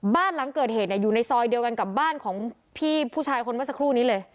บ้านหลังเกิดเหตุอยู่ในซอยเดียวกันกับบ้านของพี่ผู้ชายคนเมื่อสักครู่นี้เลย